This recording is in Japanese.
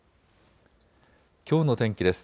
きょうの天気です。